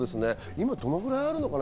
今どのくらいあるのかな？